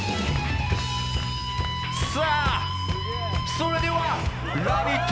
それでは「ラヴィット！」